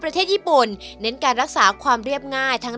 ประเทศญี่ปุ่นเน้นการรักษาความเรียบง่ายทั้ง